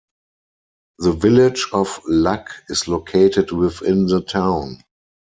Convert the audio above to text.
The village of Luck is located within the town.